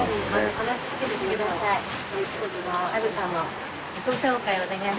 「話しかけてください」。